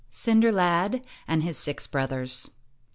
109 CINDER LAD AND HIS SIX BROTHERS.